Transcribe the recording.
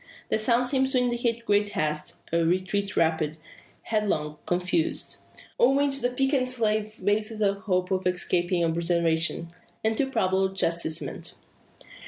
The sounds seem to indicate great haste a retreat rapid, headlong, confused. On which the peccant slave bases a hope of escaping observation, and too probable chastisement.